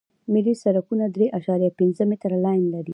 ملي سرکونه درې اعشاریه پنځه متره لاین لري